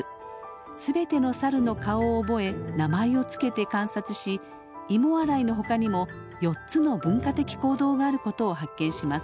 全てのサルの顔を覚え名前を付けて観察しイモ洗いのほかにも４つの文化的行動があることを発見します。